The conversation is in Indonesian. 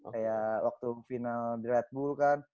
kayak waktu final di red bull kan